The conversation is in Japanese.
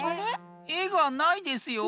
えがないですよ。